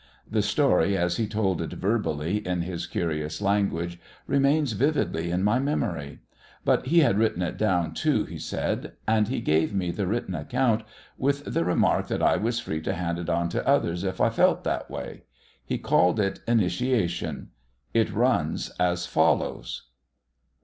The story, as he told it verbally in his curious language, remains vividly in my memory. But he had written it down, too, he said. And he gave me the written account, with the remark that I was free to hand it on to others if I "felt that way." He called it "Initiation." It runs as follows.